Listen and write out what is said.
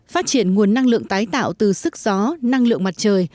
phát triển nguồn năng lượng tái tạo từ sức gió năng lượng mặt trời